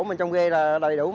mình trong ghe là đầy đủ